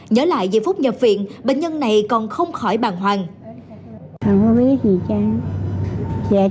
nhớ lại giây phút nhập viện bệnh nhân này còn không khỏi bàn hoàng